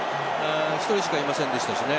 １人しかいませんでしたしね。